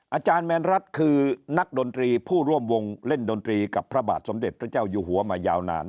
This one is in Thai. อาจารย์แมนรัฐคือนักดนตรีผู้ร่วมวงเล่นดนตรีกับพระบาทสมเด็จพระเจ้าอยู่หัวมายาวนาน